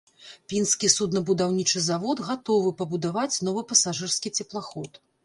Пінскі суднабудаўнічы завод гатовы пабудаваць новы пасажырскі цеплаход.